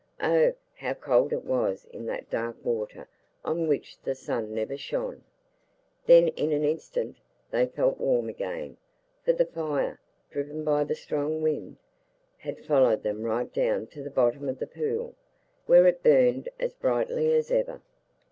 Oh, how cold it was in that dark water on which the sun never shone! Then in an instant they felt warm again, for the fire, driven by the strong wind, had followed them right down to the bottom of the pool, where it burned as brightly as ever.